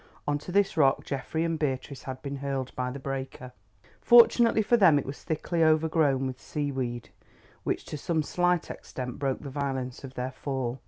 On to this rock Geoffrey and Beatrice had been hurled by the breaker. Fortunately for them it was thickly overgrown with seaweed, which to some slight extent broke the violence of their fall.